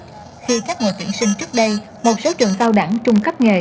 khi các người tuyển sinh trước đây một số trường cao đẳng trùng cấp nghề